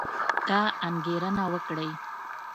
دا انګېرنه وکړئ